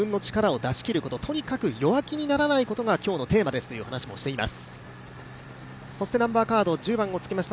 自分の力を出し切ること、とにかく弱気にならないことが今日のテーマですという話もしています。